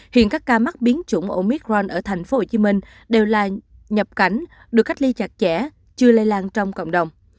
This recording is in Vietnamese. hiện các ca mắc biến chủng omicron ở thành phố hồ chí minh đều là nhập cảnh được cách ly chặt chẽ chưa lây lan trong cộng đồng